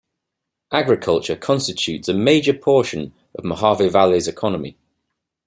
Agriculture constitutes a major portion of Mohave Valley's economy.